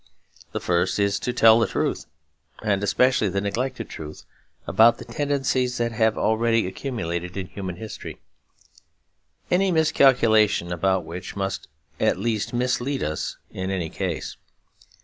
The first is to tell the truth, and especially the neglected truth, about the tendencies that have already accumulated in human history; any miscalculation about which must at least mislead us in any case.